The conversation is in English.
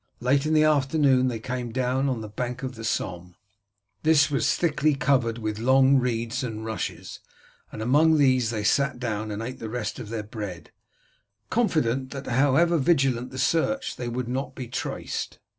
Late in the afternoon they came down on the bank of the Somme. This was thickly covered with long reeds and rushes, and among these they sat down and ate the rest of their bread, confident that however vigilant the search they would not be traced.